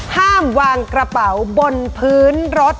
ห้ามวางกระเป๋าบนพื้นรถ